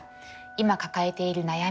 今抱えている悩み